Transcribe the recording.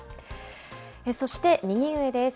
そして右上です。